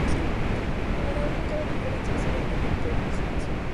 El ganador de cada conferencia accede a la final por el ascenso.